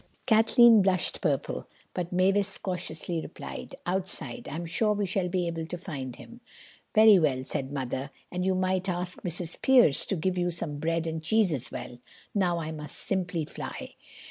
Kathleen blushed purple, but Mavis cautiously replied, "Outside. I'm sure we shall be able to find him." "Very well," said Mother, "and you might ask Mrs. Pearce to give you some bread and cheese as well. Now, I must simply fly."